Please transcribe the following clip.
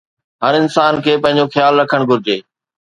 هر انسان کي پنهنجو خيال رکڻ گهرجي